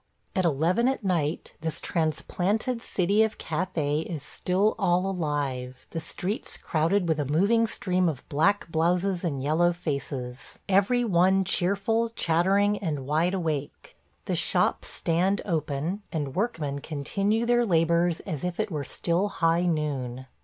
... At eleven at night this transplanted city of Cathay is still all alive; the streets crowded with a moving stream of black blouses and yellow faces – every one cheerful, chattering, and wide awake. The shops stand open, and workmen continue their labors as if it were still high noon.